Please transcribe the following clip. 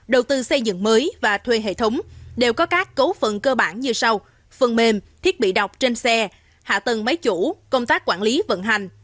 đầu tư xây dựng mới và thuê hệ thống đều có các cấu phần cơ bản như sau phần mềm thiết bị đọc trên xe hạ tầng máy chủ công tác quản lý vận hành